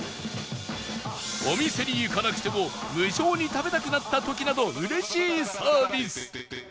お店に行かなくても無性に食べたくなった時など嬉しいサービス